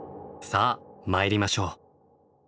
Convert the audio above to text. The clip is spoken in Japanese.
さあ参りましょう。